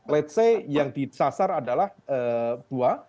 let s say yang disasar adalah dua